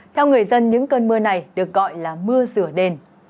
theo người dân những cơn mưa này được gọi là mưa sửa đền